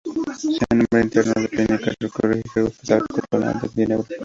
Se le nombra interno de Clínica Quirúrgica del Hospital Cantonal de Ginebra.